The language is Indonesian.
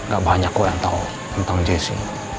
gak banyak gue yang tahu tentang jesse